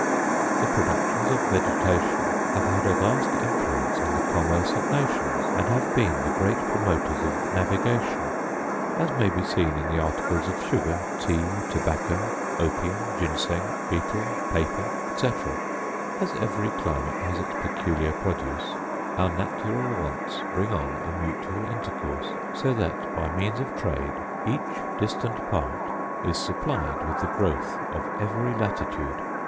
The productions of vegetation have had a vast influence on the commerce of nations, and have been the great promoters of navigation, as may be seen in the articles of sugar, tea, tobacco, opium, ginseng, betel, paper, etc. As every climate has its peculiar produce, our natural wants bring on a mutual intercourse; so that by means of trade each distant part is supplied with the growth of every latitude.